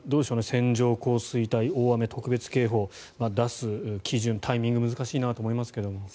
線状降水帯、大雨特別警報出す基準、タイミングが難しいと思いますが。